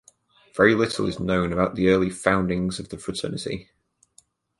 Very little is known about the early foundings of the fraternity.